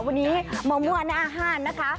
วันนี้มามั่วหน้าห้านนะคะ